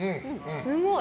すごい。